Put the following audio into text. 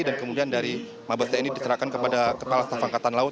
dan kemudian dari mabes tni diserahkan kepada kepala staff angkatan laut